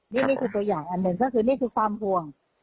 นี่คือตัวอย่างอันหนึ่งก็คือนี่คือความห่วง